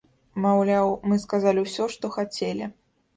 Маўляў, мы сказалі ўсё, што хацелі.